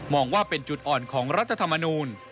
ว่าเป็นจุดอ่อนของรัฐธรรมนูล